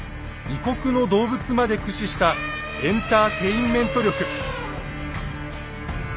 異国の動物まで駆使したエンターテインメント力。